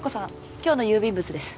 今日の郵便物です